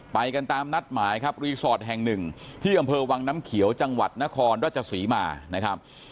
ไปกันตามนัดหมายครับรีสอร์ทแห่งหนึ่งที่อำเภอวังน้ำเขียวจังหวัดนครราชศรีมานะครับ